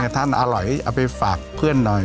ท่านอร่อยเอาไปฝากเพื่อนหน่อย